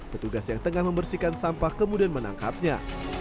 petugas yang tengah membersihkan sampah kemudian menangkapnya